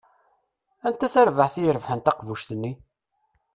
Anta tarbaɛt i irebḥen taqbuct-nni?